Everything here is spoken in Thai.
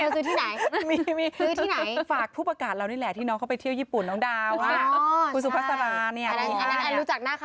เขียนมาสอนแล้วไปมา๑๑วันเอากล้องไปไหมคะ